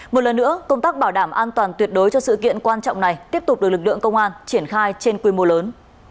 một lần nữa công tác bảo đảm an toàn tuyệt đối cho sự kiện quan trọng này tiếp tục được lực lượng công an triển khai trên quy mô lớn